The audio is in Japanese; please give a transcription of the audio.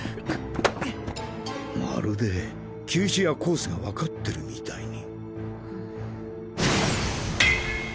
まるで球種やコースがわかってるみたいに。